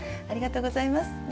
ありがとうございます。